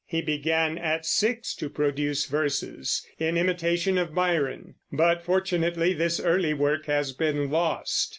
He began at six to produce verses, in imitation of Byron; but fortunately this early work has been lost.